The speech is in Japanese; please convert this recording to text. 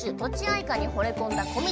いかにほれ込んだ小道さん。